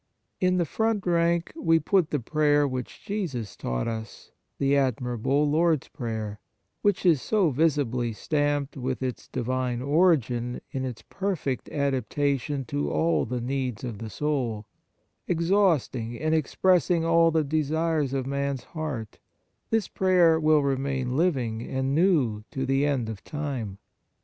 In the front rank we put the prayer which Jesus taught us, the admirable " Lord s Prayer," which is so visibly 33 c On the Exercises of Piety stamped with its Divine origin in its perfect adaptation to all the needs of the soul ; exhausting and expressing all the desires of man s heart, this prayer will remain living and new to the end of time.